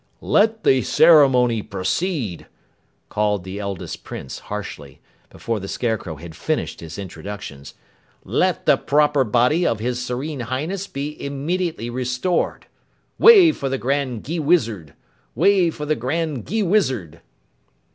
"Let the ceremony proceed!" called the eldest Prince harshly, before the Scarecrow had finished his introductions. "Let the proper body of his Serene Highness be immediately restored. Way for the Grand Gheewizard! Way for the Grand Gheewizard!"